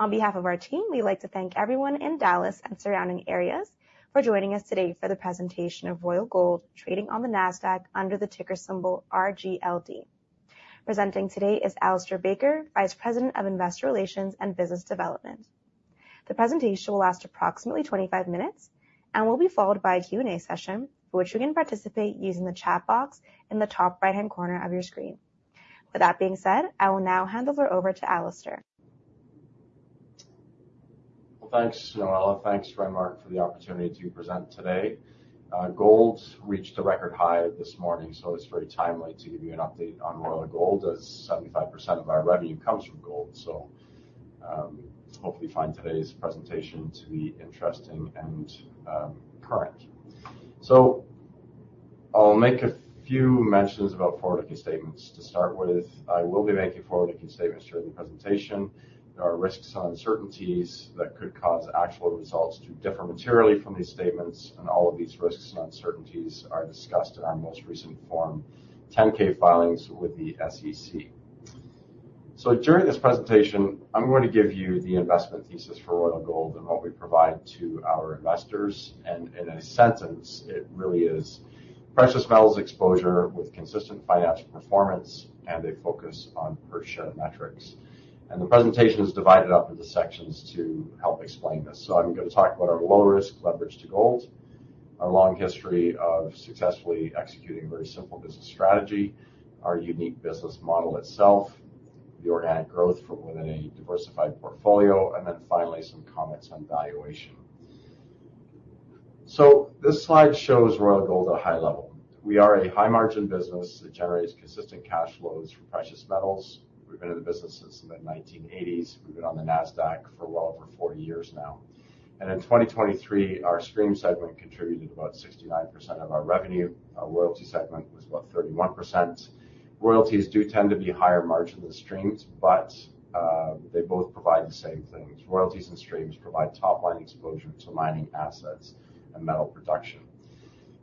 On behalf of our team, we'd like to thank everyone in Dallas and surrounding areas for joining us today for the presentation of Royal Gold, trading on the Nasdaq under the ticker symbol RGLD. Presenting today is Alistair Baker, Vice President of Investor Relations and Business Development. The presentation will last approximately 25 minutes and will be followed by a Q&A session, which you can participate using the chat box in the top right-hand corner of your screen. With that being said, I will now hand it over to Alistair. Well, thanks, Noella. Thanks, Renmark, for the opportunity to present today. Gold reached a record high this morning, so it's very timely to give you an update on Royal Gold, as 75% of our revenue comes from gold. So, hopefully, you find today's presentation to be interesting and, current. So I'll make a few mentions about forward-looking statements. To start with, I will be making forward-looking statements during the presentation. There are risks and uncertainties that could cause actual results to differ materially from these statements, and all of these risks and uncertainties are discussed in our most recent Form 10-K filings with the SEC. So during this presentation, I'm going to give you the investment thesis for Royal Gold and what we provide to our investors. In a sentence, it really is precious metals exposure with consistent financial performance and a focus on per share metrics. The presentation is divided up into sections to help explain this. I'm gonna talk about our low-risk leverage to gold, our long history of successfully executing very simple business strategy, our unique business model itself, the organic growth from within a diversified portfolio, and then finally, some comments on valuation. This slide shows Royal Gold at a high level. We are a high-margin business that generates consistent cash flows for precious metals. We've been in the business since the mid-1980s. We've been on the NASDAQ for well over 40 years now. In 2023, our stream segment contributed about 69% of our revenue. Our royalty segment was about 31%. Royalties do tend to be higher margin than streams, but they both provide the same things. Royalties and streams provide top-line exposure to mining assets and metal production.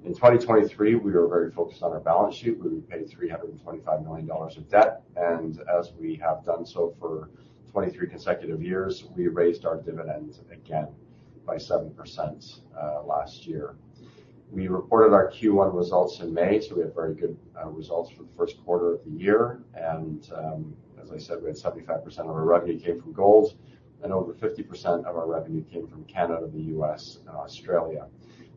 In 2023, we were very focused on our balance sheet. We repaid $325 million of debt, and as we have done so for 23 consecutive years, we raised our dividends again by 7%, last year. We reported our Q1 results in May, so we had very good results for the first quarter of the year. And, as I said, we had 75% of our revenue came from gold, and over 50% of our revenue came from Canada, the U.S., and Australia.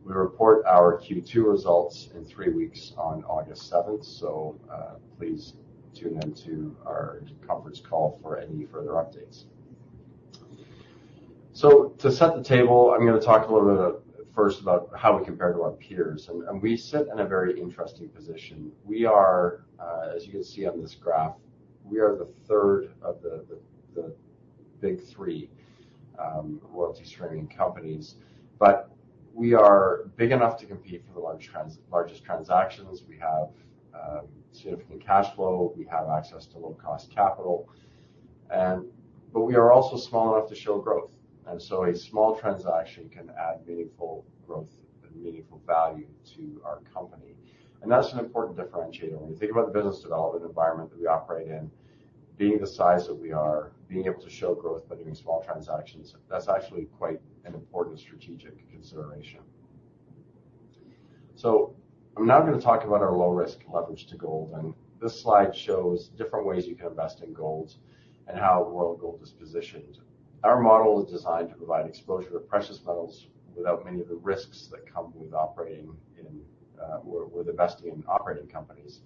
We report our Q2 results in three weeks on August seventh. So, please tune in to our conference call for any further updates. So to set the table, I'm gonna talk a little bit first about how we compare to our peers, and we sit in a very interesting position. We are, as you can see on this graph, we are the third of the big three royalty streaming companies. But we are big enough to compete for the largest transactions. We have significant cash flow, we have access to low-cost capital, and but we are also small enough to show growth, and so a small transaction can add meaningful growth and meaningful value to our company. And that's an important differentiator. When you think about the business development environment that we operate in, being the size that we are, being able to show growth by doing small transactions, that's actually quite an important strategic consideration. So I'm now gonna talk about our low-risk leverage to gold, and this slide shows different ways you can invest in gold and how Royal Gold is positioned. Our model is designed to provide exposure to precious metals without many of the risks that come with operating in or with investing in operating companies.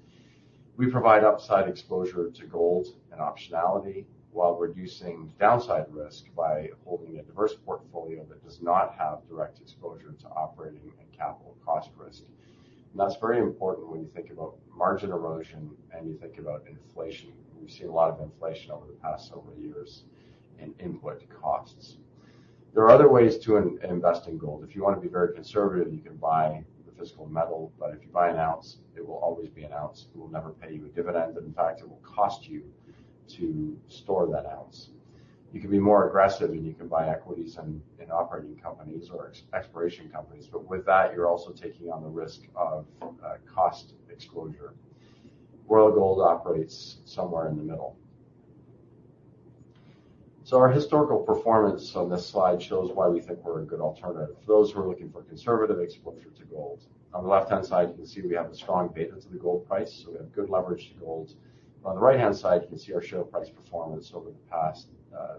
We provide upside exposure to gold and optionality while reducing downside risk by holding a diverse portfolio that does not have direct exposure to operating and capital cost risk. And that's very important when you think about margin erosion and you think about inflation. We've seen a lot of inflation over the past several years in input costs. There are other ways to invest in gold. If you want to be very conservative, you can buy the physical metal, but if you buy an ounce, it will always be an ounce. It will never pay you a dividend, and in fact, it will cost you to store that ounce. You can be more aggressive, and you can buy equities in, in operating companies or ex- exploration companies, but with that, you're also taking on the risk of, cost exposure. Royal Gold operates somewhere in the middle. So our historical performance on this slide shows why we think we're a good alternative for those who are looking for conservative exposure to gold. On the left-hand side, you can see we have a strong beta to the gold price, so we have good leverage to gold. On the right-hand side, you can see our share price performance over the past,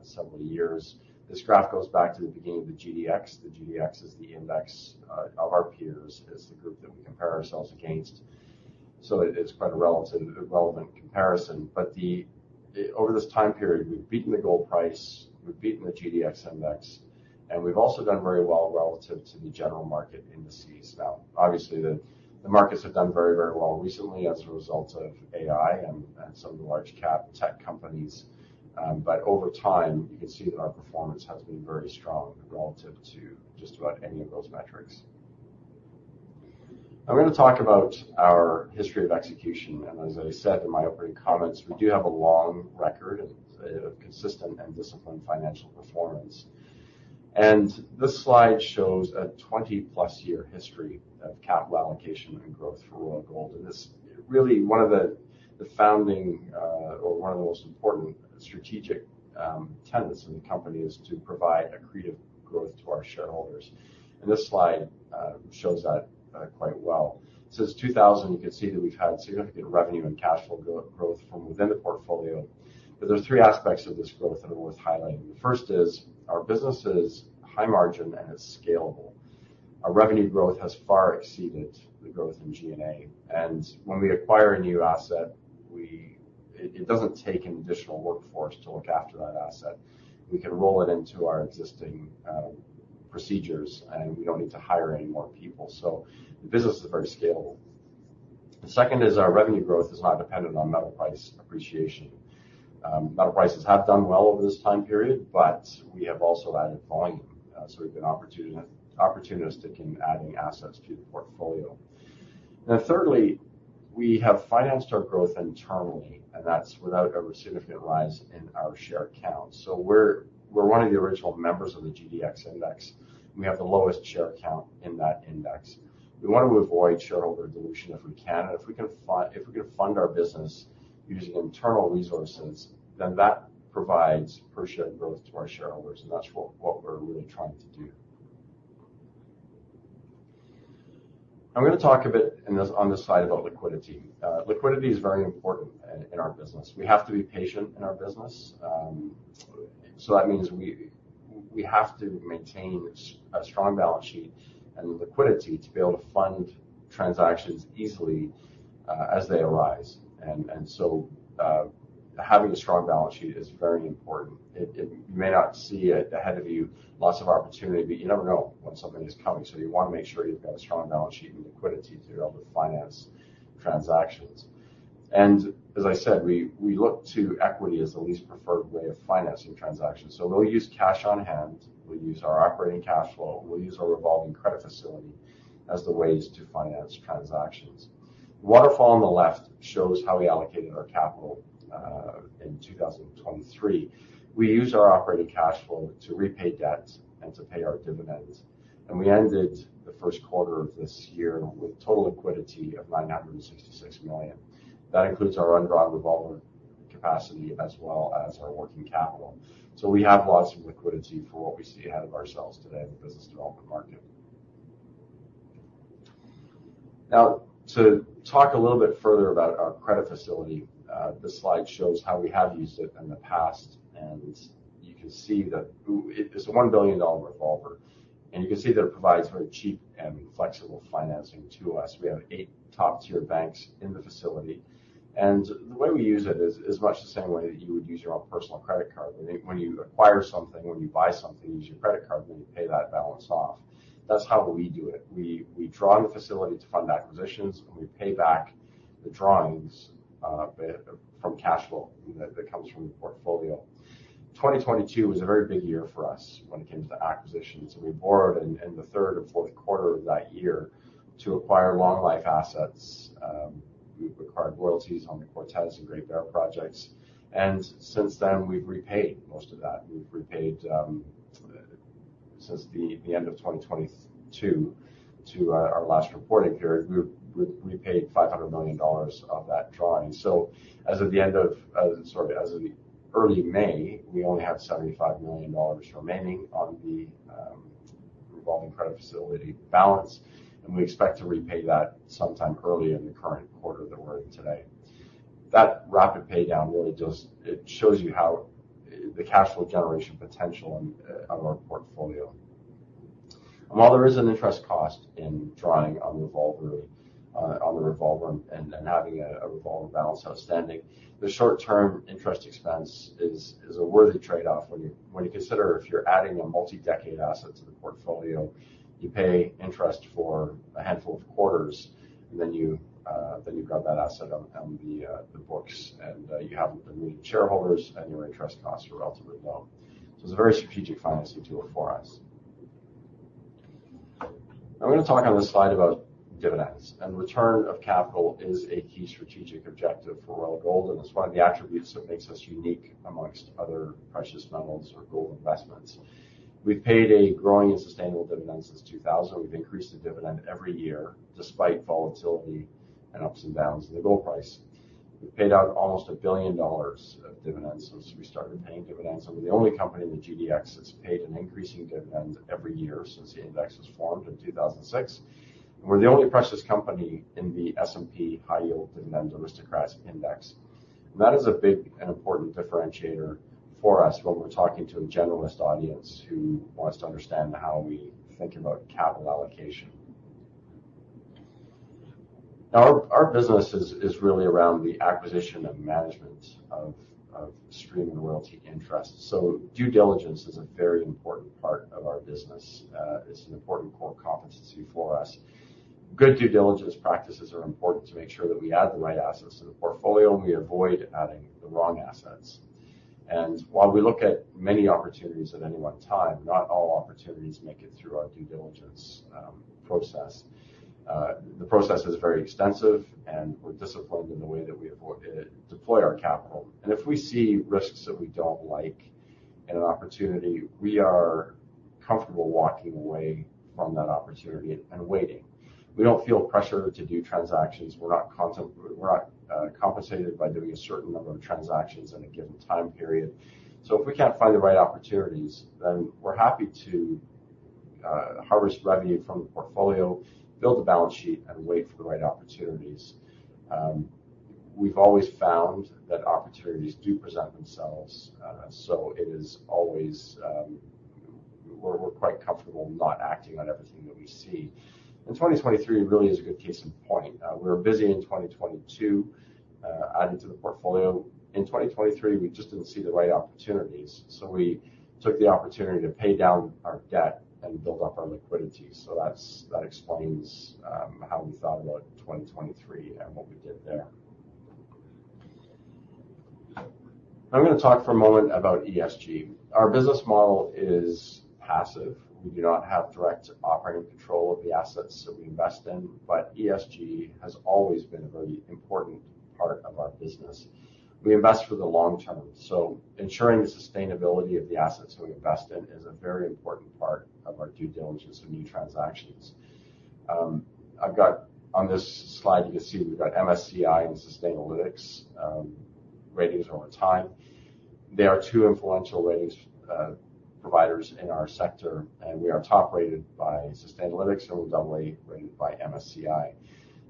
several years. This graph goes back to the beginning of the GDX. The GDX is the index, of our peers, as the group that we compare ourselves against. So it is quite a relevant, relevant comparison. But over this time period, we've beaten the gold price, we've beaten the GDX index, and we've also done very well relative to the general market indices. Now, obviously, the markets have done very, very well recently as a result of AI and some of the large cap tech companies, but over time, you can see that our performance has been very strong relative to just about any of those metrics. I'm gonna talk about our history of execution, and as I said in my opening comments, we do have a long record and of consistent and disciplined financial performance. This slide shows a 20+ year history of capital allocation and growth for Royal Gold. This really one of the founding or one of the most important strategic tenets in the company is to provide accretive growth to our shareholders. This slide shows that quite well. Since 2000, you can see that we've had significant revenue and cash flow growth from within the portfolio. But there are three aspects of this growth that are worth highlighting. The first is our business is high margin and is scalable. Our revenue growth has far exceeded the growth in G&A. When we acquire a new asset, it doesn't take an additional workforce to look after that asset. We can roll it into our existing procedures, and we don't need to hire any more people. So the business is very scalable. The second is our revenue growth is not dependent on metal price appreciation. Metal prices have done well over this time period, but we have also added volume. So we've been opportunistic in adding assets to the portfolio. Now, thirdly, we have financed our growth internally, and that's without a significant rise in our share count. So we're one of the original members of the GDX index, and we have the lowest share count in that index. We want to avoid shareholder dilution if we can, and if we can fund our business using internal resources, then that provides per share growth to our shareholders, and that's what we're really trying to do. I'm going to talk a bit in this, on this slide about liquidity. Liquidity is very important in our business. We have to be patient in our business. So that means we have to maintain a strong balance sheet and liquidity to be able to fund transactions easily, as they arise. Having a strong balance sheet is very important. It... You may not see it ahead of you, lots of opportunity, but you never know when something is coming. So you want to make sure you've got a strong balance sheet and liquidity to be able to finance transactions. As I said, we look to equity as the least preferred way of financing transactions. So we'll use cash on hand, we'll use our operating cash flow, we'll use our revolving credit facility as the ways to finance transactions. Waterfall on the left shows how we allocated our capital in 2023. We used our operating cash flow to repay debt and to pay our dividends, and we ended the first quarter of this year with total liquidity of $966 million. That includes our undrawn revolver capacity as well as our working capital. So we have lots of liquidity for what we see ahead of ourselves today in the business development market. Now, to talk a little bit further about our credit facility, this slide shows how we have used it in the past, and you can see that it, it's a $1 billion revolver. You can see that it provides very cheap and flexible financing to us. We have eight top-tier banks in the facility, and the way we use it is much the same way that you would use your own personal credit card. When you acquire something, when you buy something, you use your credit card, and then you pay that balance off. That's how we do it. We draw on the facility to fund acquisitions, and we pay back the drawings from cash flow that comes from the portfolio. 2022 was a very big year for us when it came to acquisitions, and we borrowed in the third and fourth quarter of that year to acquire long-life assets. We acquired royalties on the Cortez and Great Bear projects, and since then, we've repaid most of that. We've repaid since the end of 2022 to our last reporting period, we've repaid $500 million of that drawing. So as of the end of... Sorry, as of early May, we only had $75 million remaining on the revolving credit facility balance, and we expect to repay that sometime early in the current quarter that we're in today. That rapid paydown really does it shows you how the cash flow generation potential in on our portfolio. While there is an interest cost in drawing on the revolver, on the revolver and having a revolver balance outstanding, the short-term interest expense is a worthy trade-off when you consider if you're adding a multi-decade asset to the portfolio, you pay interest for a handful of quarters, and then you then you've got that asset on the books, and you have the new shareholders, and your interest costs are relatively low. So it's a very strategic financing tool for us. I'm gonna talk on this slide about dividends, and return of capital is a key strategic objective for Royal Gold, and it's one of the attributes that makes us unique amongst other precious metals or gold investments. We've paid a growing and sustainable dividend since 2000. We've increased the dividend every year, despite volatility and ups and downs in the gold price. We've paid out almost $1 billion of dividends since we started paying dividends, and we're the only company in the GDX that's paid an increasing dividend every year since the index was formed in 2006. We're the only precious company in the S&P High Yield Dividend Aristocrats Index. That is a big and important differentiator for us when we're talking to a generalist audience who wants to understand how we think about capital allocation. Now, our business is really around the acquisition and management of stream and royalty interests. So due diligence is a very important part of our business. It's an important core competency for us. Good due diligence practices are important to make sure that we add the right assets to the portfolio, and we avoid adding the wrong assets. While we look at many opportunities at any one time, not all opportunities make it through our due diligence process. The process is very extensive, and we're disciplined in the way that we deploy our capital. If we see risks that we don't like in an opportunity, we are comfortable walking away from that opportunity and waiting. We don't feel pressure to do transactions. We're not compensated by doing a certain number of transactions in a given time period. So if we can't find the right opportunities, then we're happy to harvest revenue from the portfolio, build the balance sheet, and wait for the right opportunities. We've always found that opportunities do present themselves, so it is always... We're quite comfortable not acting on everything that we see. And 2023 really is a good case in point. We were busy in 2022, adding to the portfolio. In 2023, we just didn't see the right opportunities, so we took the opportunity to pay down our debt and build up our liquidity. So that explains how we thought about 2023 and what we did there. I'm going to talk for a moment about ESG. Our business model is passive. We do not have direct operating control of the assets that we invest in, but ESG has always been a very important part of our business. We invest for the long term, so ensuring the sustainability of the assets we invest in is a very important part of our due diligence for new transactions. On this slide, you can see we've got MSCI and Sustainalytics ratings over time. They are two influential ratings providers in our sector, and we are top-rated by Sustainalytics, and we're doubly rated by MSCI.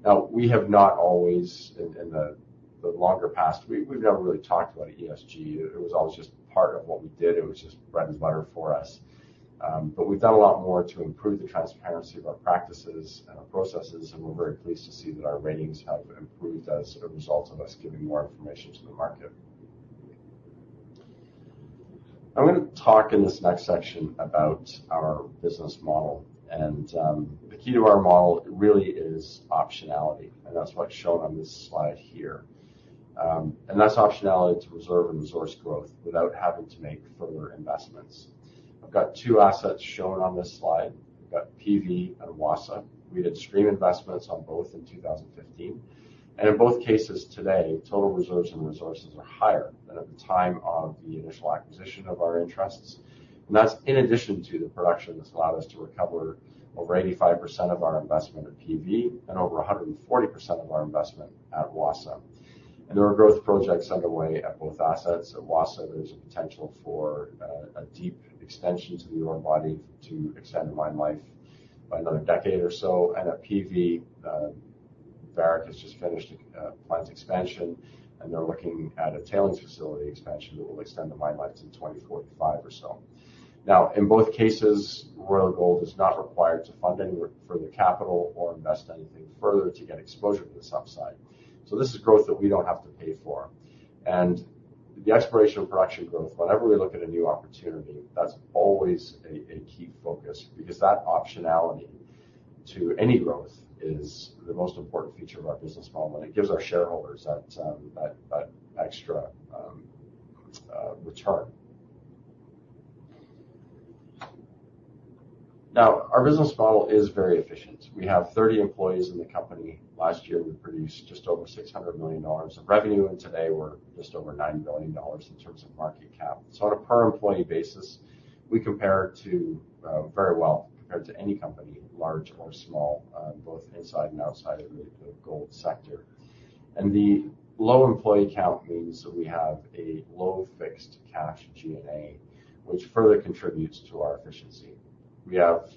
Now, we have not always, in the longer past, we've never really talked about ESG. It was always just part of what we did. It was just bread and butter for us. But we've done a lot more to improve the transparency of our practices and our processes, and we're very pleased to see that our ratings have improved as a result of us giving more information to the market. I'm going to talk in this next section about our business model, and the key to our model really is optionality, and that's what's shown on this slide here. And that's optionality to reserve and resource growth without having to make further investments. I've got two assets shown on this slide. We've got PV and Wassa. We did stream investments on both in 2015, and in both cases today, total reserves and resources are higher than at the time of the initial acquisition of our interests. And that's in addition to the production that's allowed us to recover over 85% of our investment at PV and over 140% of our investment at Wassa. And there are growth projects underway at both assets. At Wassa, there's a potential for a deep extension to the ore body to extend mine life by another decade or so. And at PV, Barrick has just finished a plant expansion, and they're looking at a tailings facility expansion that will extend the mine life to 2045 or so. Now, in both cases, Royal Gold is not required to fund any further capital or invest anything further to get exposure to this upside. So this is growth that we don't have to pay for. The exploration and production growth, whenever we look at a new opportunity, that's always a key focus because that optionality to any growth is the most important feature of our business model, and it gives our shareholders that extra return. Now, our business model is very efficient. We have 30 employees in the company. Last year, we produced just over $600 million of revenue, and today we're just over $9 billion in terms of market cap. So on a per-employee basis, we compare to very well compared to any company, large or small, both inside and outside of the gold sector. The low employee count means that we have a low fixed cash G&A, which further contributes to our efficiency. We have,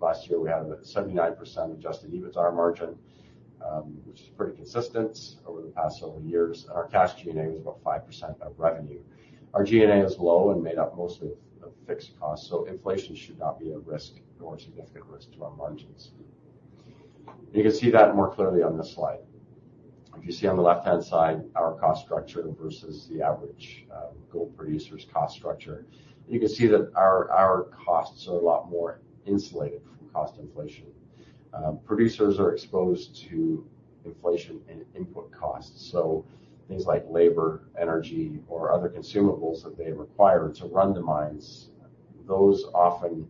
last year, we had a 79% adjusted EBITDA margin, which is pretty consistent over the past several years, and our cash G&A was about 5% of revenue. Our G&A is low and made up mostly of fixed costs, so inflation should not be a risk or a significant risk to our margins. You can see that more clearly on this slide. If you see on the left-hand side, our cost structure versus the average gold producer's cost structure, you can see that our costs are a lot more insulated from cost inflation. Producers are exposed to inflation and input costs, so things like labor, energy, or other consumables that they require to run the mines, those often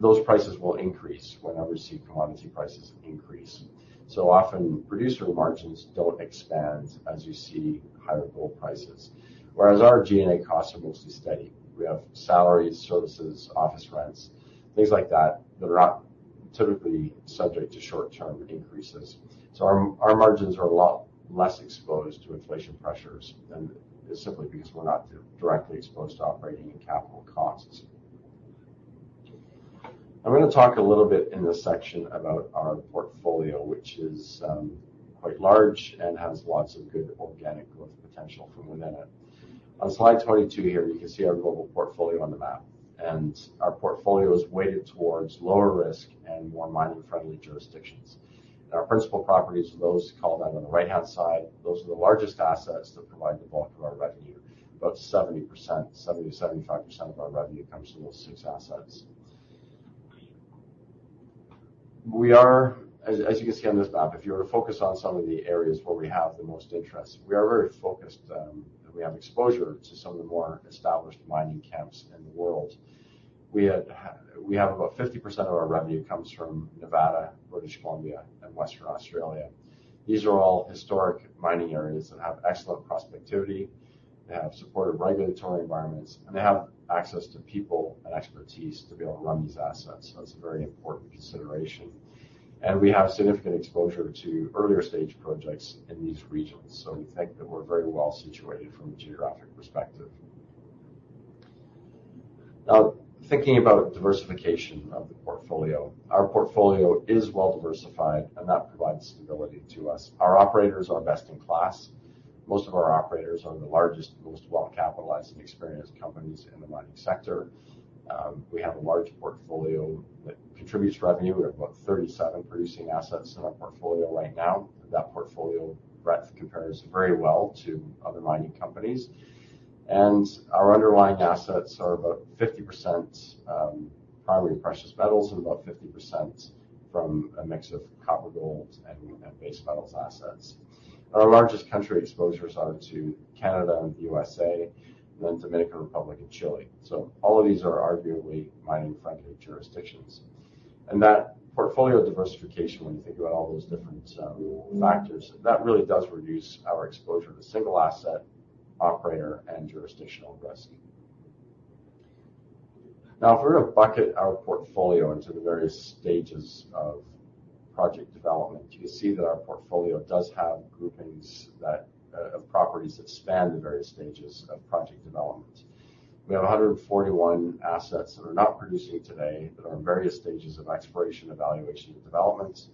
those prices will increase whenever you see commodity prices increase. So often, producer margins don't expand as you see higher gold prices. Whereas our G&A costs are mostly steady. We have salaries, services, office rents, things like that, that are not typically subject to short-term increases. So our margins are a lot less exposed to inflation pressures than simply because we're not directly exposed to operating and capital costs. I'm gonna talk a little bit in this section about our portfolio, which is quite large and has lots of good organic growth potential from within it. On Slide 22 here, you can see our global portfolio on the map, and our portfolio is weighted towards lower risk and more mining-friendly jurisdictions. Our principal properties are those called out on the right-hand side. Those are the largest assets that provide the bulk of our revenue. About 70%, 70%-75% of our revenue comes from those six assets. We are... As you can see on this map, if you were to focus on some of the areas where we have the most interest, we are very focused, and we have exposure to some of the more established mining camps in the world. We have about 50% of our revenue comes from Nevada, British Columbia, and Western Australia. These are all historic mining areas that have excellent prospectivity, they have supportive regulatory environments, and they have access to people and expertise to be able to run these assets. So that's a very important consideration. And we have significant exposure to earlier-stage projects in these regions, so we think that we're very well-situated from a geographic perspective. Now, thinking about diversification of the portfolio. Our portfolio is well-diversified, and that provides stability to us. Our operators are best in class. Most of our operators are the largest, most well-capitalized, and experienced companies in the mining sector. We have a large portfolio that contributes revenue. We have about 37 producing assets in our portfolio right now, and that portfolio breadth compares very well to other mining companies. Our underlying assets are about 50%, primary precious metals and about 50% from a mix of copper, gold, and base metals assets. Our largest country exposures are to Canada and the U.S.A., and then Dominican Republic and Chile. All of these are arguably mining-friendly jurisdictions. That portfolio diversification, when you think about all those different factors, really does reduce our exposure to single asset, operator, and jurisdictional risk. Now, if we were to bucket our portfolio into the various stages of project development, you can see that our portfolio does have groupings that of properties that span the various stages of project development. We have 141 assets that are not producing today, but are in various stages of exploration, evaluation, and development.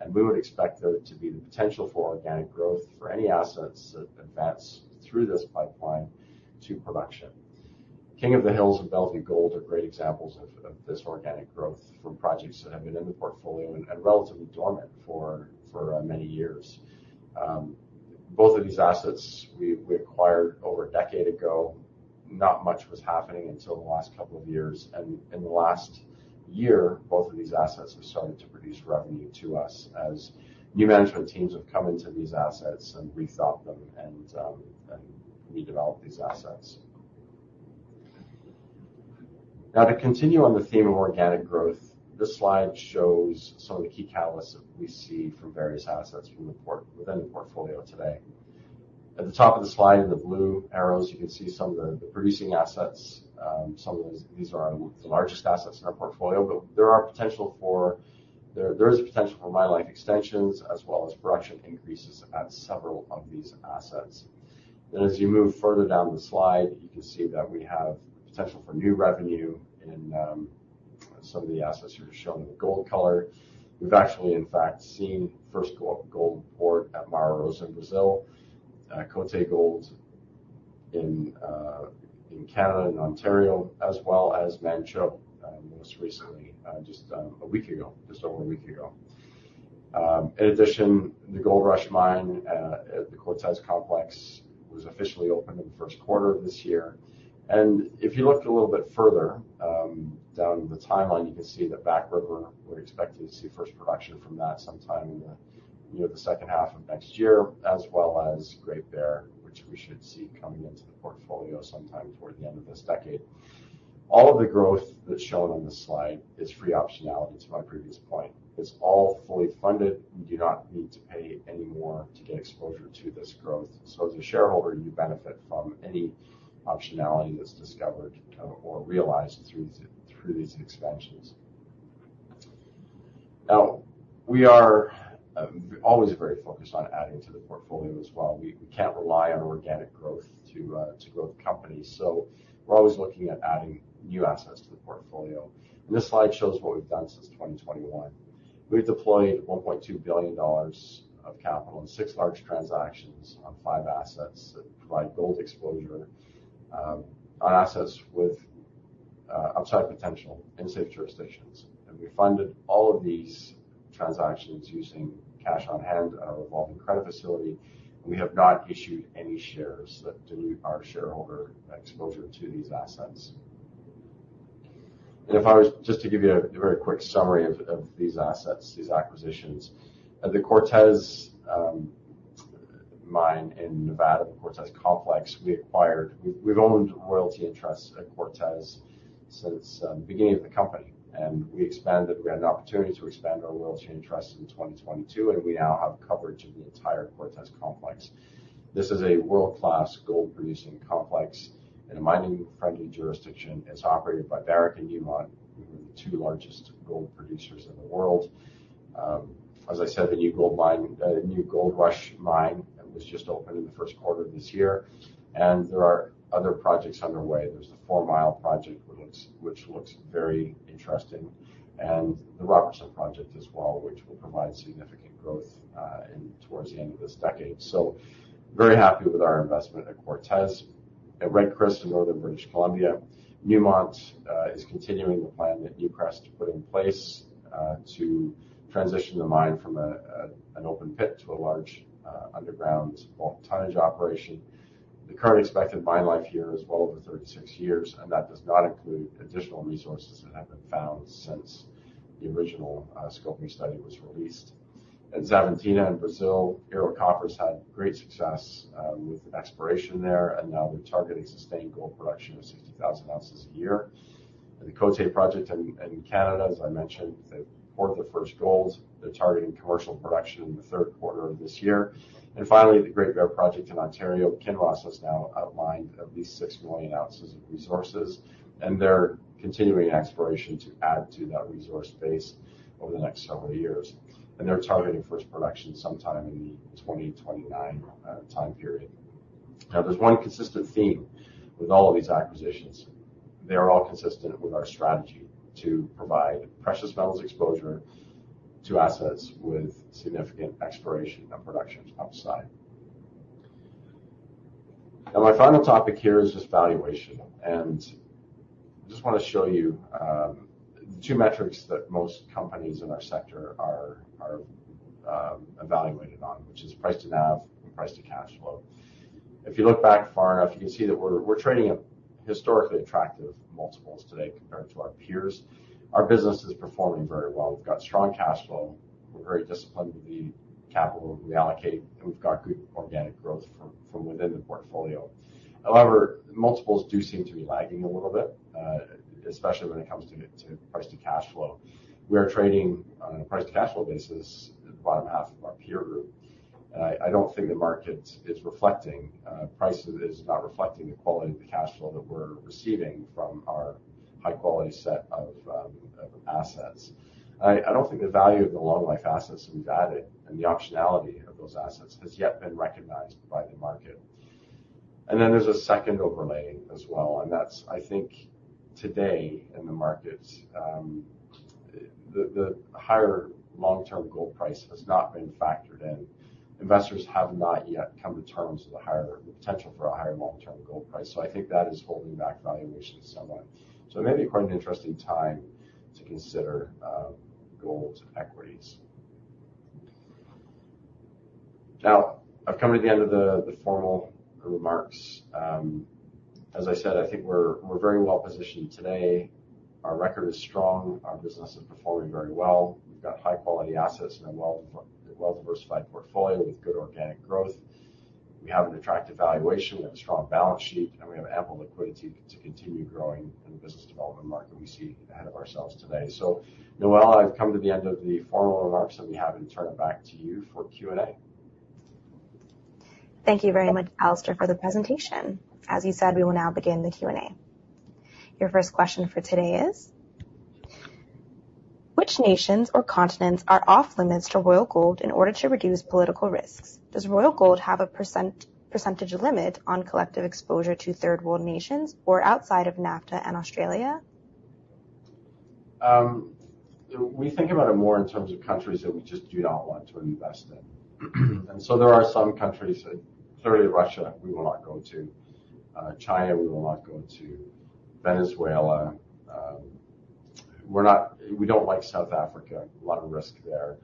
And we would expect there to be the potential for organic growth for any assets that advance through this pipeline to production. King of the Hills and Bellevue Gold are great examples of this organic growth from projects that have been in the portfolio and relatively dormant for many years. Both of these assets, we acquired over a decade ago. Not much was happening until the last couple of years, and in the last year, both of these assets have started to produce revenue to us as new management teams have come into these assets and rethought them and redeveloped these assets. Now, to continue on the theme of organic growth, this slide shows some of the key catalysts that we see from various assets within the portfolio today. At the top of the slide in the blue arrows, you can see some of the producing assets. Some of these are the largest assets in our portfolio, but there is potential for mine life extensions as well as production increases at several of these assets. Then, as you move further down the slide, you can see that we have potential for new revenue in some of the assets here shown in gold color. We've actually, in fact, seen first gold poured at Mara Rosa in Brazil, Cote Gold in Canada and Ontario, as well as Manh Choh, most recently, just over a week ago. In addition, the Goldrush Mine at the Cortez Complex was officially opened in the first quarter of this year. And if you looked a little bit further down the timeline, you can see that Back River, we're expecting to see first production from that sometime in the, you know, the second half of next year, as well as Great Bear, which we should see coming into the portfolio sometime toward the end of this decade. All of the growth that's shown on this slide is free optionality, to my previous point. It's all fully funded. We do not need to pay any more to get exposure to this growth. So as a shareholder, you benefit from any optionality that's discovered, or realized through these expansions. Now, we are always very focused on adding to the portfolio as well. We can't rely on organic growth to grow the company, so we're always looking at adding new assets to the portfolio. And this slide shows what we've done since 2021. We've deployed $1.2 billion of capital in six large transactions on five assets that provide gold exposure, on assets with upside potential in safe jurisdictions. We funded all of these transactions using cash on hand, our revolving credit facility, and we have not issued any shares that dilute our shareholder exposure to these assets. Just to give you a very quick summary of these assets, these acquisitions, the Cortez mine in Nevada, the Cortez Complex, we acquired. We, we've owned royalty interests at Cortez since the beginning of the company, and we expanded. We had an opportunity to expand our royalty interests in 2022, and we now have coverage of the entire Cortez Complex. This is a world-class gold-producing complex in a mining-friendly jurisdiction. It's operated by Barrick and Newmont, the two largest gold producers in the world. As I said, the new gold mine, the new Goldrush Mine, it was just opened in the first quarter of this year, and there are other projects underway. There's the Fourmile project, which looks very interesting, and the Robertson project as well, which will provide significant growth in towards the end of this decade. So very happy with our investment at Cortez. At Red Chris, in Northern British Columbia, Newmont is continuing the plan that Newcrest put in place to transition the mine from an open pit to a large underground bulk tonnage operation. The current expected mine life here is well over 36 years, and that does not include additional resources that have been found since the original scoping study was released. At Xavantina in Brazil, Ero Copper's had great success with exploration there, and now they're targeting sustained gold production of 60,000 ounces a year. At the Côté project in Canada, as I mentioned, they poured the first gold. They're targeting commercial production in the third quarter of this year. And finally, the Great Bear project in Ontario, Kinross has now outlined at least 6 million ounces of resources, and they're continuing exploration to add to that resource base over the next several years. And they're targeting first production sometime in the 2029 time period. Now, there's one consistent theme with all of these acquisitions. They're all consistent with our strategy to provide precious metals exposure to assets with significant exploration and production upside. Now, my final topic here is just valuation, and I just want to show you the two metrics that most companies in our sector are evaluated on, which is price to NAV and price to cash flow. If you look back far enough, you can see that we're trading at historically attractive multiples today compared to our peers. Our business is performing very well. We've got strong cash flow. We're very disciplined with the capital we allocate, and we've got good organic growth from within the portfolio. However, multiples do seem to be lagging a little bit, especially when it comes to price to cash flow. We are trading on a price to cash flow basis in the bottom half of our peer group. And I, I don't think the market is reflecting, price is not reflecting the quality of the cash flow that we're receiving from our high-quality set of, of assets. I, I don't think the value of the long-life assets we've added and the optionality of those assets has yet been recognized by the market. And then there's a second overlay as well, and that's, I think, today in the markets, the, the higher long-term gold price has not been factored in. Investors have not yet come to terms with the higher... The potential for a higher long-term gold price. So I think that is holding back valuation somewhat. So it may be quite an interesting time to consider, gold equities. Now, I've come to the end of the, the formal remarks. As I said, I think we're, we're very well positioned today. Our record is strong. Our business is performing very well. We've got high-quality assets and a well-diversified portfolio with good organic growth. We have an attractive valuation, we have a strong balance sheet, and we have ample liquidity to continue growing in the business development market we see ahead of ourselves today. Noella, I've come to the end of the formal remarks that we have, and turn it back to you for Q&A. Thank you very much, Alistair, for the presentation. As you said, we will now begin the Q&A. Your first question for today is: Which nations or continents are off-limits to Royal Gold in order to reduce political risks? Does Royal Gold have a percentage limit on collective exposure to third-world nations or outside of NAFTA and Australia? We think about it more in terms of countries that we just do not want to invest in. So there are some countries, clearly Russia, we will not go to, China, we will not go to, Venezuela, we're not—we don't like South Africa, a lot of risk there.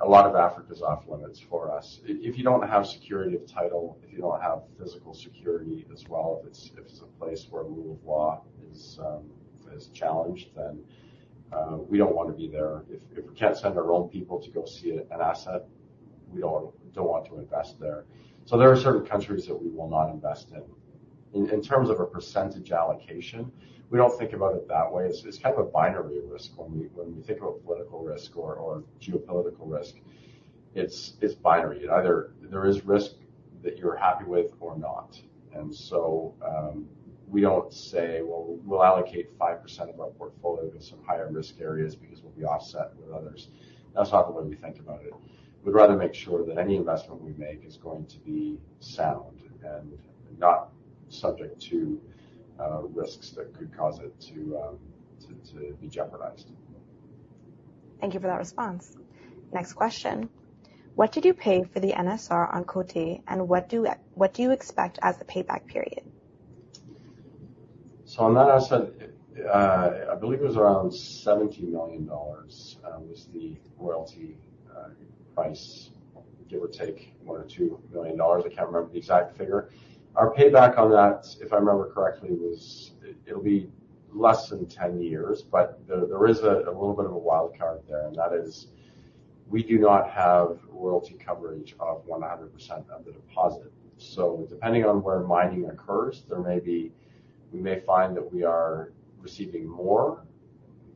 A lot of Africa is off-limits for us. If you don't have security of title, if you don't have physical security as well, if it's a place where rule of law is challenged, then we don't want to be there. If we can't send our own people to go see an asset, we don't want to invest there. So there are certain countries that we will not invest in. In terms of a percentage allocation, we don't think about it that way. It's kind of a binary risk when we think about political risk or geopolitical risk; it's binary. It either there is risk that you're happy with or not. And so, we don't say, "Well, we'll allocate 5% of our portfolio to some higher risk areas because we'll be offset with others." That's not the way we think about it. We'd rather make sure that any investment we make is going to be sound and not subject to risks that could cause it to be jeopardized. Thank you for that response. Next question: What did you pay for the NSR on Côté, and what do you expect as the payback period? So on that asset, I believe it was around $70 million, was the royalty price, give or take $1 million-$2 million. I can't remember the exact figure. Our payback on that, if I remember correctly, was, it'll be less than 10 years, but there is a little bit of a wild card there, and that is, we do not have royalty coverage of 100% of the deposit. So depending on where mining occurs, there may be... We may find that we are receiving more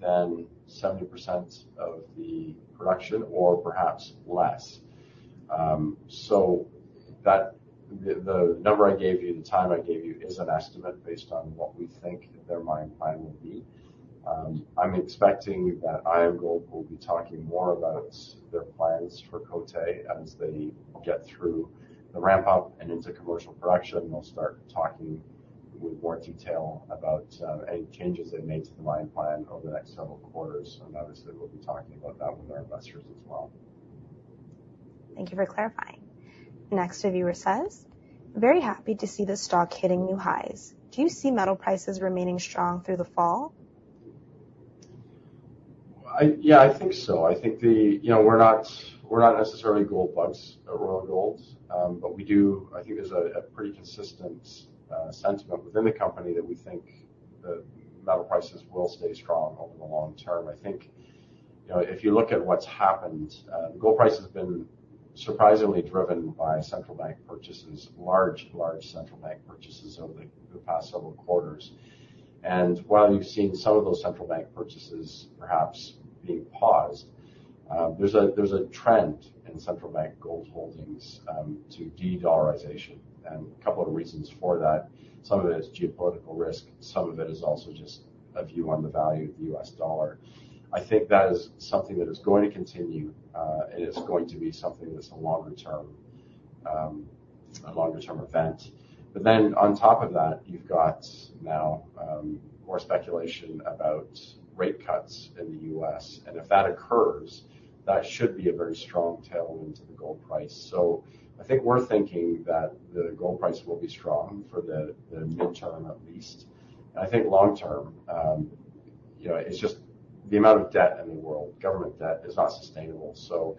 than 70% of the production or perhaps less. So that, the number I gave you, the time I gave you is an estimate based on what we think their mine plan will be. I'm expecting that IAMGOLD will be talking more about their plans for Côté as they get through the ramp-up and into commercial production. They'll start talking with more detail about any changes they've made to the mine plan over the next several quarters, and obviously, we'll be talking about that with our investors as well. Thank you for clarifying. Next reviewer says: Very happy to see the stock hitting new highs. Do you see metal prices remaining strong through the fall? Yeah, I think so. I think the, you know, we're not, we're not necessarily gold bugs at Royal Gold. But we do—I think there's a pretty consistent sentiment within the company that we think the metal prices will stay strong over the long term. I think, you know, if you look at what's happened, the gold price has been surprisingly driven by central bank purchases, large, large central bank purchases over the past several quarters. And while you've seen some of those central bank purchases perhaps being paused, there's a trend in central bank gold holdings to de-dollarization, and a couple of reasons for that. Some of it is geopolitical risk, some of it is also just a view on the value of the U.S. dollar. I think that is something that is going to continue, and it's going to be something that's a longer term, a longer term event. But then on top of that, you've got now, more speculation about rate cuts in the U.S., and if that occurs, that should be a very strong tailwind to the gold price. So I think we're thinking that the gold price will be strong for the midterm, at least. I think long term, you know, it's just the amount of debt in the world, government debt, is not sustainable. So,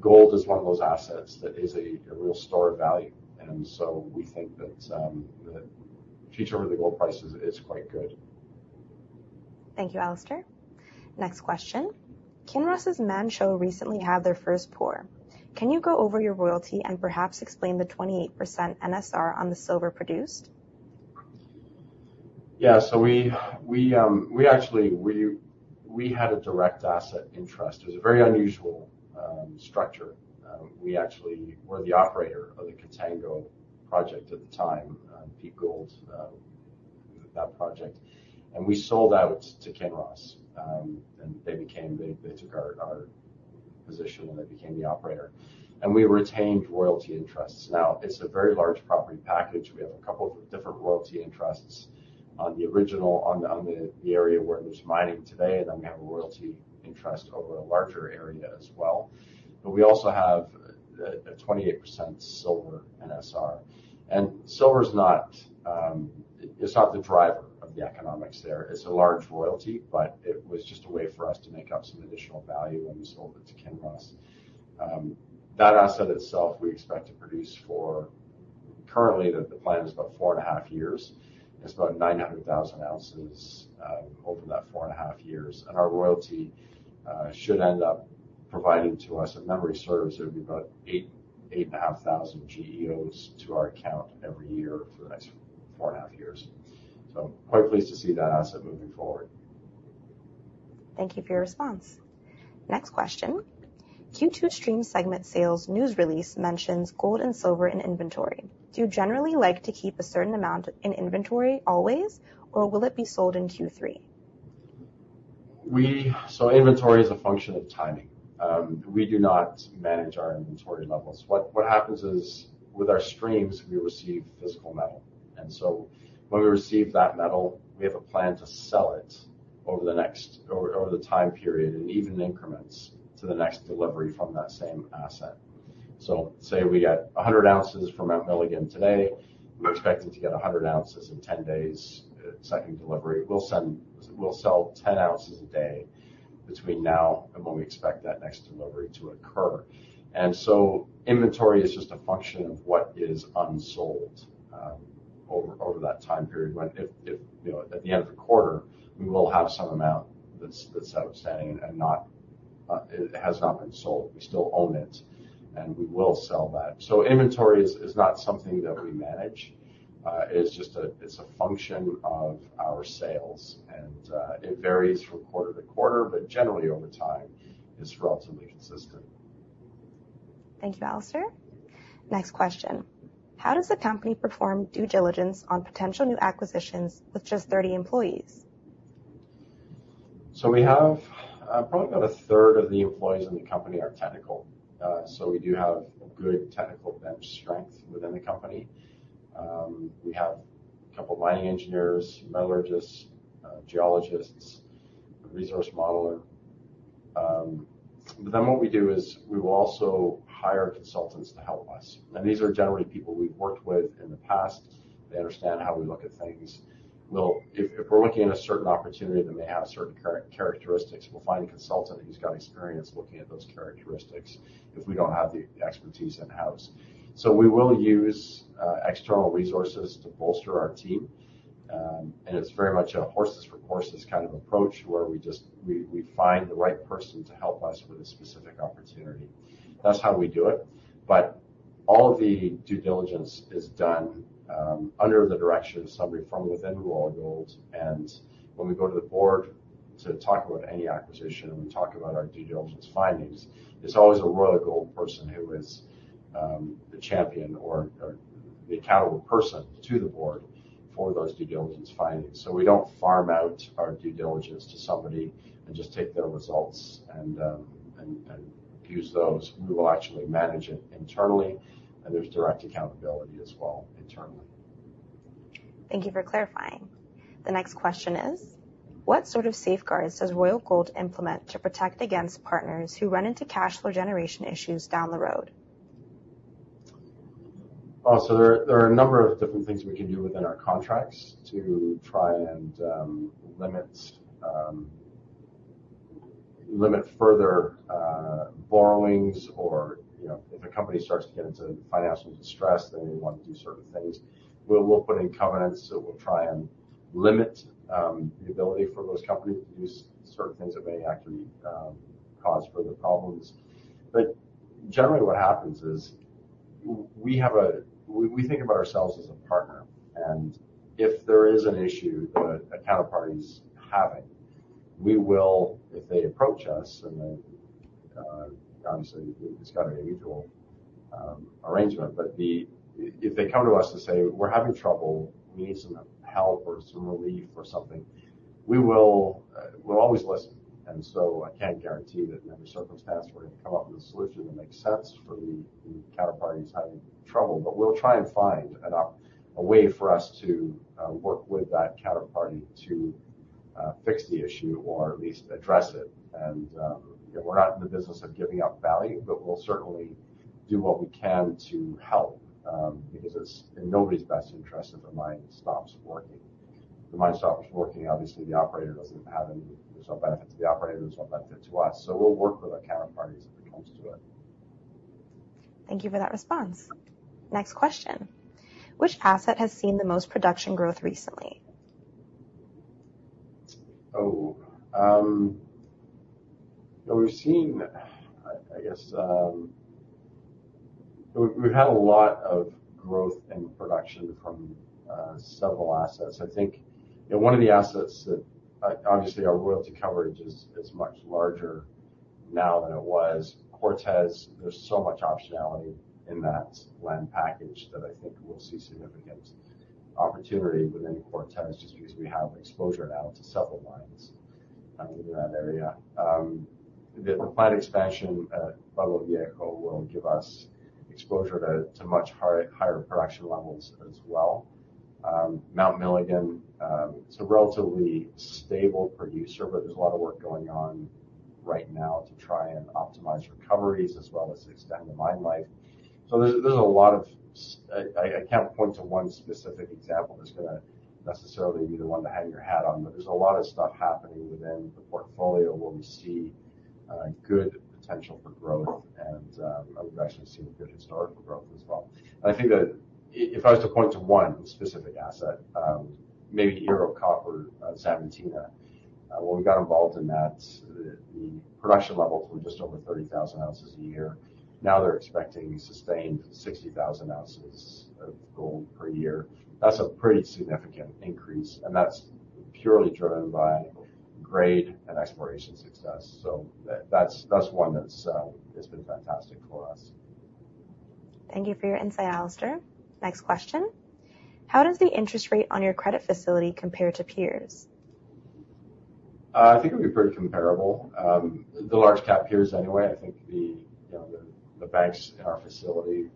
gold is one of those assets that is a real store of value, and so we think that, the future of the gold price is quite good. Thank you, Alistair. Next question: Kinross' Manh Choh recently had their first pour. Can you go over your royalty and perhaps explain the 28% NSR on the silver produced? Yeah, so we actually had a direct asset interest. It was a very unusual structure. We actually were the operator of the Contango project at the time, Peak Gold, that project, and we sold out to Kinross. And they became—they took our position, and they became the operator, and we retained royalty interests. Now, it's a very large property package. We have a couple of different royalty interests on the original area where there's mining today, and then we have a royalty interest over a larger area as well. But we also have a 28% silver NSR. And silver is not, it's not the driver of the economics there. It's a large royalty, but it was just a way for us to make up some additional value when we sold it to Kinross. That asset itself, we expect to produce for currently the plan is about 4.5 years. It's about 900,000 ounces over that 4.5 years. And our royalty should end up providing to us, if memory serves, it would be about 8,000-8,500 GEOs to our account every year for the next 4.5 years. So quite pleased to see that asset moving forward. Thank you for your response. Next question: Q2 stream segment sales news release mentions gold and silver in inventory. Do you generally like to keep a certain amount in inventory always, or will it be sold in Q3? So inventory is a function of timing. We do not manage our inventory levels. What happens is, with our streams, we receive physical metal, and so when we receive that metal, we have a plan to sell it over the next, over the time period, and even in increments, to the next delivery from that same asset. So say we get 100 ounces from Mount Milligan today, we're expecting to get 100 ounces in 10 days, second delivery. We'll sell 10 ounces a day between now and when we expect that next delivery to occur. And so inventory is just a function of what is unsold, over that time period. If, you know, at the end of the quarter, we will have some amount that's outstanding and not, it has not been sold. We still own it, and we will sell that. So inventory is not something that we manage. It's just a function of our sales, and it varies from quarter-to-quarter, but generally, over time, it's relatively consistent. Thank you, Alistair. Next question: How does the company perform due diligence on potential new acquisitions with just 30 employees? So we have probably about a third of the employees in the company are technical. So we do have a good technical bench strength within the company. We have a couple of mining engineers, metallurgists, geologists, a resource modeler. But then what we do is we will also hire consultants to help us, and these are generally people we've worked with in the past. They understand how we look at things. We'll if we're looking at a certain opportunity that may have certain characteristics, we'll find a consultant who's got experience looking at those characteristics, if we don't have the expertise in-house. So we will use external resources to bolster our team, and it's very much a horses for courses kind of approach, where we just find the right person to help us with a specific opportunity. That's how we do it, but all the due diligence is done under the direction of somebody from within Royal Gold. And when we go to the board to talk about any acquisition, and we talk about our due diligence findings, there's always a Royal Gold person who is the champion or the accountable person to the board for those due diligence findings. So we don't farm out our due diligence to somebody and just take their results and use those. We will actually manage it internally, and there's direct accountability as well internally. Thank you for clarifying. The next question is: What sort of safeguards does Royal Gold implement to protect against partners who run into cash flow generation issues down the road? Well, so there are a number of different things we can do within our contracts to try and limit further borrowings or, you know, if a company starts to get into financial distress, then we want to do certain things. We'll put in covenants, so we'll try and limit the ability for those companies to do certain things that may actually cause further problems. But generally, what happens is we think about ourselves as a partner, and if there is an issue that a counterparty is having, we will, if they approach us, and then obviously, it's got to be a mutual arrangement. But if they come to us and say, "We're having trouble, we need some help or some relief or something," we will always listen. And so I can't guarantee that in every circumstance we're going to come up with a solution that makes sense for the counterparty who's having trouble, but we'll try and find a way for us to work with that counterparty to fix the issue or at least address it. And, you know, we're not in the business of giving out value, but we'll certainly do what we can to help, because it's in nobody's best interest if the mine stops working. If the mine stops working, obviously, the operator doesn't have any... There's no benefit to the operator, there's no benefit to us. So we'll work with our counterparties if it comes to it. Thank you for that response. Next question: Which asset has seen the most production growth recently? We've seen, I guess. We've had a lot of growth in production from several assets. I think, you know, one of the assets that obviously our royalty coverage is much larger now than it was, Cortez. There's so much optionality in that land package that I think we'll see significant opportunity within Cortez, just because we have exposure now to several mines in that area. The planned expansion at Pueblo Viejo will give us exposure to much higher production levels as well. Mount Milligan is a relatively stable producer, but there's a lot of work going on right now to try and optimize recoveries as well as extend the mine life. So there's a lot of stuff. I can't point to one specific example that's gonna necessarily be the one to hang your hat on, but there's a lot of stuff happening within the portfolio, where we see good potential for growth. And we've actually seen good historical growth as well. I think that if I was to point to one specific asset, maybe Ero Copper, Santo Antonio. When we got involved in that, the production levels were just over 30,000 oz a year. Now, they're expecting a sustained 60,000 oz of gold per year. That's a pretty significant increase, and that's purely driven by grade and exploration success. So that's one that's been fantastic for us. Thank you for your insight, Alistair. Next question: How does the interest rate on your credit facility compare to peers? I think it'd be pretty comparable. The large cap peers, anyway, I think you know, the banks in our facility,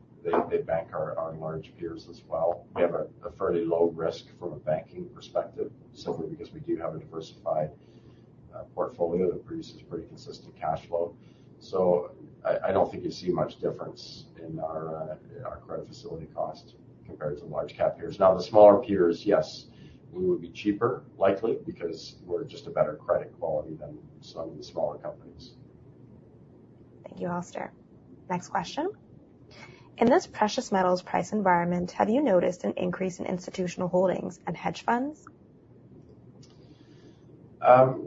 they bank our large peers as well. We have a fairly low risk from a banking perspective, simply because we do have a diversified portfolio that produces pretty consistent cash flow. So I don't think you see much difference in our credit facility costs compared to large cap peers. Now, the smaller peers, yes, we would be cheaper, likely, because we're just a better credit quality than some of the smaller companies. Thank you, Alistair. Next question: In this precious metals price environment, have you noticed an increase in institutional holdings and hedge funds?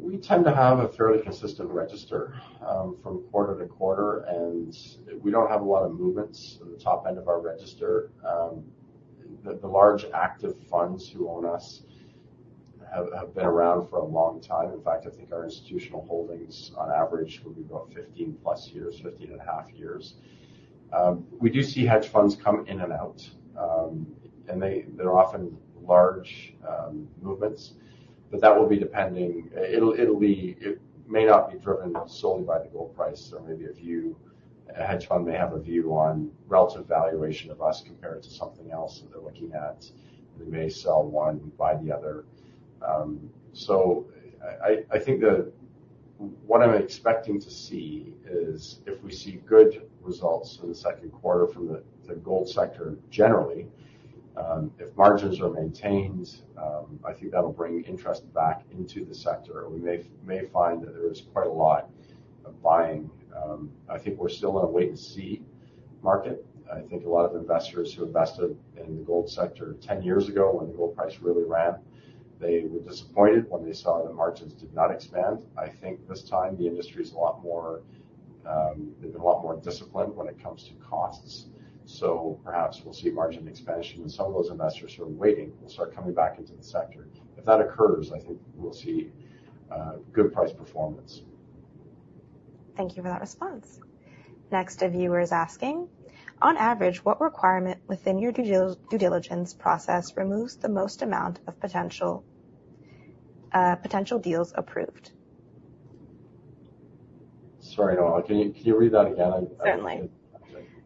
We tend to have a fairly consistent register from quarter to quarter, and we don't have a lot of movements in the top end of our register. The large active funds who own us have been around for a long time. In fact, I think our institutional holdings on average would be about 15+ years, 15.5 years. We do see hedge funds come in and out, and they're often large movements, but that will be depending. It'll be it may not be driven solely by the gold price, or maybe a view. A hedge fund may have a view on relative valuation of us compared to something else that they're looking at, and we may sell one and buy the other. So I think the... What I'm expecting to see is, if we see good results in the second quarter from the gold sector, generally, if margins are maintained, I think that'll bring interest back into the sector. We may find that there is quite a lot of buying. I think we're still in a wait-and-see market. I think a lot of investors who invested in the gold sector 10 years ago, when the gold price really ran, they were disappointed when they saw the margins did not expand. I think this time, the industry is a lot more, they've been a lot more disciplined when it comes to costs. So perhaps we'll see margin expansion, and some of those investors who are waiting will start coming back into the sector. If that occurs, I think we'll see good price performance. Thank you for that response. Next, a viewer is asking: On average, what requirement within your due diligence process removes the most amount of potential, potential deals approved? Sorry, Noella, can you read that again? I... Certainly.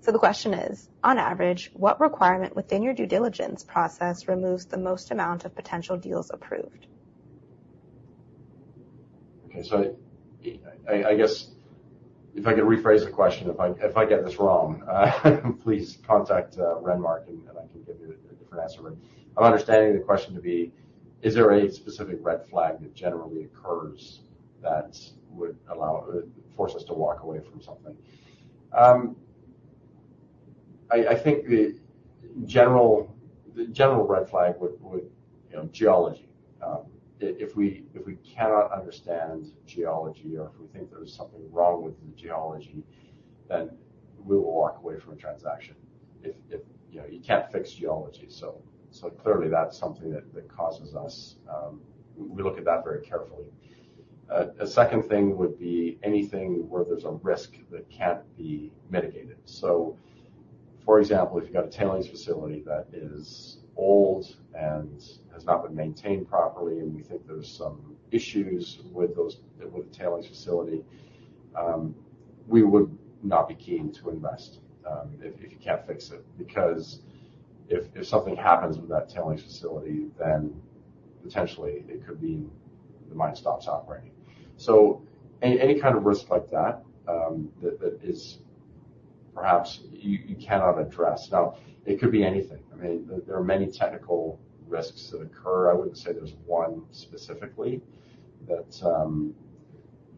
So the question is: On average, what requirement within your due diligence process removes the most amount of potential deals approved? Okay. So I guess, if I could rephrase the question, if I get this wrong, please contact Renmark, and different answer. But I'm understanding the question to be: Is there any specific red flag that generally occurs that would allow or force us to walk away from something? I think the general red flag would, you know, geology. If we cannot understand geology or if we think there's something wrong with the geology, then we will walk away from a transaction. You know, you can't fix geology, so clearly that's something that causes us. We look at that very carefully. A second thing would be anything where there's a risk that can't be mitigated. So, for example, if you've got a tailings facility that is old and has not been maintained properly, and we think there's some issues with the tailings facility, we would not be keen to invest if you can't fix it. Because if something happens with that tailings facility, then potentially it could mean the mine stops operating. So any kind of risk like that that you cannot address. Now, it could be anything. I mean, there are many technical risks that occur. I wouldn't say there's one specifically that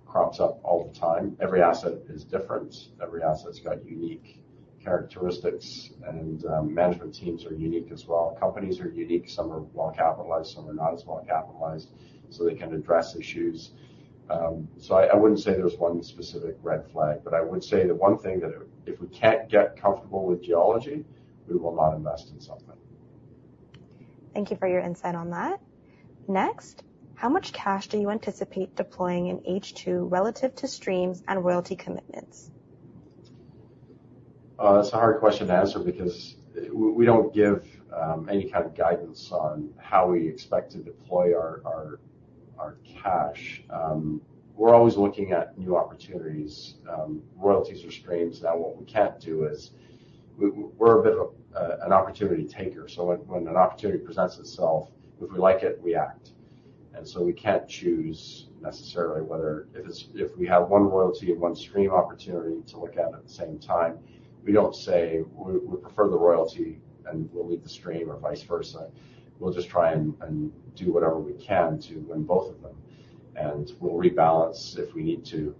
crops up all the time. Every asset is different. Every asset's got unique characteristics, and management teams are unique as well. Companies are unique. Some are well-capitalized, some are not as well-capitalized, so they can address issues. I wouldn't say there's one specific red flag, but I would say the one thing that if we can't get comfortable with geology, we will not invest in something. Thank you for your insight on that. Next, how much cash do you anticipate deploying in H2 relative to streams and royalty commitments? That's a hard question to answer because we don't give any kind of guidance on how we expect to deploy our cash. We're always looking at new opportunities, royalties or streams. Now, what we can't do is we're a bit of an opportunity taker, so when an opportunity presents itself, if we like it, we act. And so we can't choose necessarily whether. If we have one royalty and one stream opportunity to look at at the same time, we don't say, "We prefer the royalty, and we'll leave the stream," or vice versa. We'll just try and do whatever we can to win both of them, and we'll rebalance if we need to.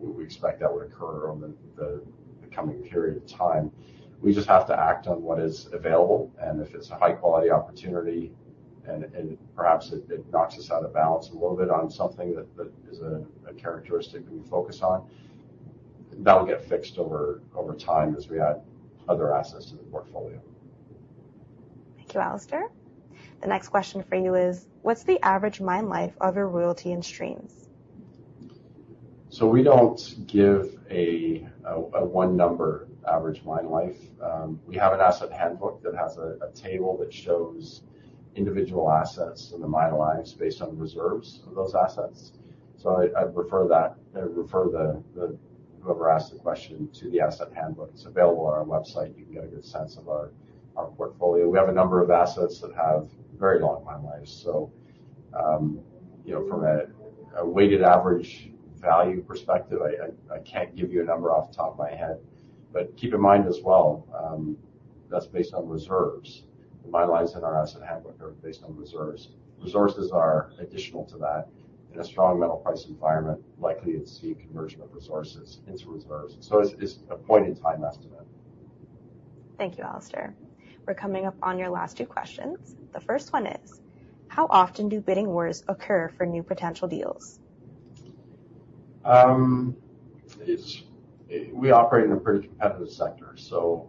We expect that would occur on the coming period of time. We just have to act on what is available, and if it's a high-quality opportunity, and perhaps it knocks us out of balance a little bit on something that is a characteristic that we focus on, that will get fixed over time as we add other assets to the portfolio. Thank you, Alistair. The next question for you is: What's the average mine life of your royalty and streams? So we don't give a one-number average mine life. We have an Asset Handbook that has a table that shows individual assets and the mine lives based on reserves of those assets. So I'd refer whoever asked the question to the Asset Handbook. It's available on our website. You can get a good sense of our portfolio. We have a number of assets that have very long mine lives. So, you know, from a weighted average value perspective, I can't give you a number off the top of my head. But keep in mind as well, that's based on reserves. The mine lives in our Asset Handbook are based on reserves. Resources are additional to that. In a strong metal price environment, likely to see conversion of resources into reserves, so it's, it's a point-in-time estimate. Thank you, Alistair. We're coming up on your last two questions. The first one is: How often do bidding wars occur for new potential deals? It's... We operate in a pretty competitive sector, so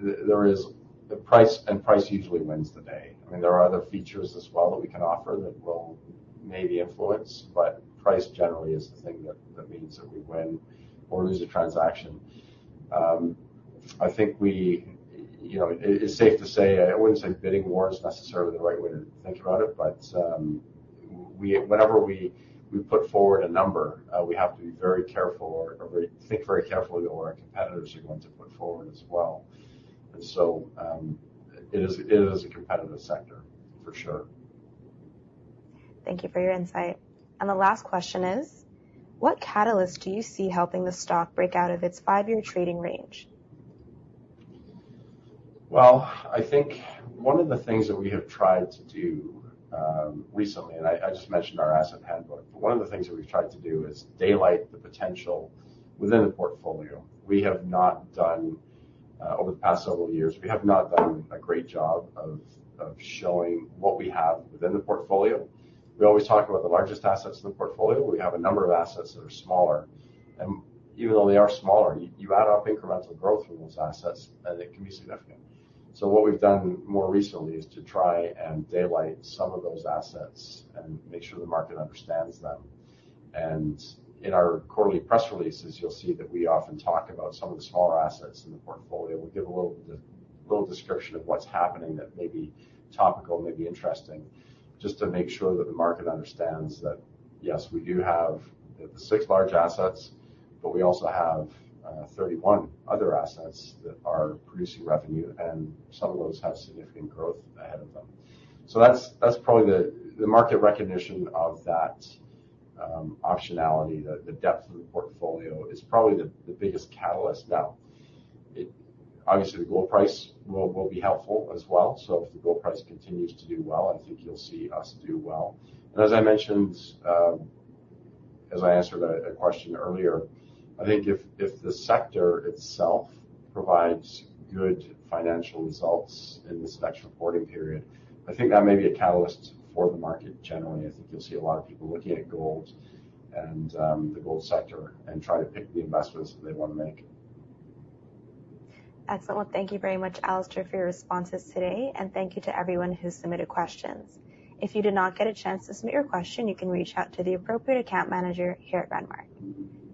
there is the price, and price usually wins the day. I mean, there are other features as well that we can offer that will maybe influence, but price generally is the thing that means that we win or lose a transaction. I think, you know, it's safe to say, I wouldn't say bidding war is necessarily the right way to think about it, but whenever we put forward a number, we have to be very careful or think very carefully what our competitors are going to put forward as well. And so, it is a competitive sector for sure. Thank you for your insight. The last question is: What catalyst do you see helping the stock break out of its five-year trading range? Well, I think one of the things that we have tried to do recently, and I, I just mentioned our Asset Handbook, but one of the things that we've tried to do is daylight the potential within the portfolio. We have not done over the past several years, we have not done a great job of showing what we have within the portfolio. We always talk about the largest assets in the portfolio. We have a number of assets that are smaller, and even though they are smaller, you, you add up incremental growth from those assets, and it can be significant. So what we've done more recently is to try and daylight some of those assets and make sure the market understands them. And in our quarterly press releases, you'll see that we often talk about some of the smaller assets in the portfolio. We'll give a little description of what's happening that may be topical, may be interesting, just to make sure that the market understands that, yes, we do have the six large assets, but we also have 31 other assets that are producing revenue, and some of those have significant growth ahead of them. So that's probably the market recognition of that optionality, the depth of the portfolio is probably the biggest catalyst now. Obviously, the gold price will be helpful as well, so if the gold price continues to do well, I think you'll see us do well. And as I mentioned, as I answered a question earlier, I think if the sector itself provides good financial results in this next reporting period, I think that may be a catalyst for the market generally. I think you'll see a lot of people looking at gold and, the gold sector and try to pick the investments that they want to make. Excellent. Thank you very much, Alistair, for your responses today, and thank you to everyone who submitted questions. If you did not get a chance to submit your question, you can reach out to the appropriate account manager here at Renmark.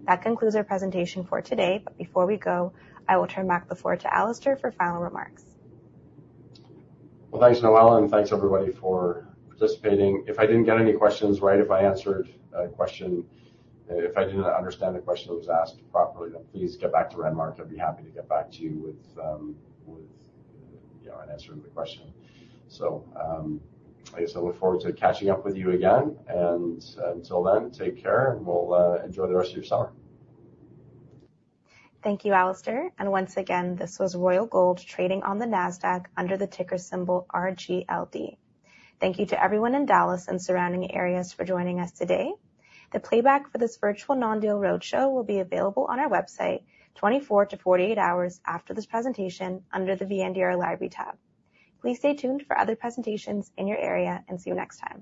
That concludes our presentation for today, but before we go, I will turn back the floor to Alistair for final remarks. Well, thanks, Noella, and thanks, everybody, for participating. If I didn't get any questions right, if I answered a question, if I didn't understand the question that was asked properly, then please get back to Renmark. I'd be happy to get back to you with, with, you know, an answer to the question. So, I guess I look forward to catching up with you again, and until then, take care, and we'll enjoy the rest of your summer. Thank you, Alistair. Once again, this was Royal Gold trading on the Nasdaq under the ticker symbol RGLD. Thank you to everyone in Dallas and surrounding areas for joining us today. The playback for this virtual non-deal roadshow will be available on our website, 24-48 hours after this presentation under the VNDR Library tab. Please stay tuned for other presentations in your area, and see you next time.